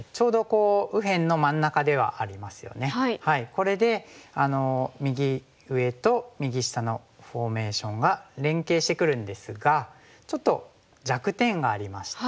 これで右上と右下のフォーメーションが連携してくるんですがちょっと弱点がありまして。